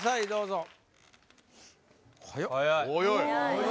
どうぞ！